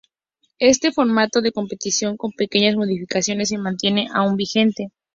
Este formato de competición, con pequeñas modificaciones, se mantiene aún vigente.